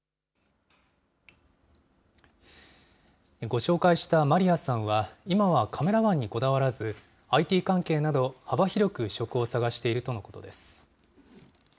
ご紹介したマリアさんは、今はカメラマンにこだわらず、ＩＴ関係など幅広く職を探しているとのことです。